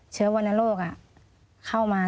เชื้อวันโรคเข้ามา